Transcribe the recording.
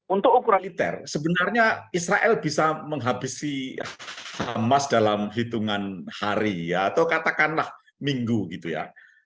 untuk okuraliter sebenarnya israel bisa menghabisi hamas dalam hitungan hari ya atau katakanlah minggu gitu ya